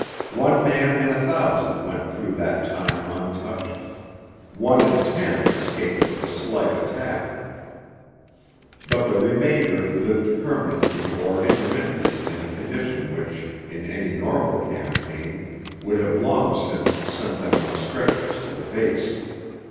One man in a thousand went through that time untouched; one in ten escaped with a slight attack. But the remainder lived permanently or intermittently in a condition which in any normal campaign would have long since sent them on stretchers to the base.